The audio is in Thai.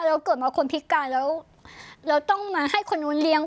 เราเกิดมาคนพิการแล้วเราต้องมาให้คนนู้นเลี้ยง